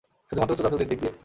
শুধু মাত্র চোদাচুদির দিক দিয়ে।